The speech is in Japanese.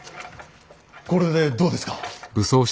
これでどうですか。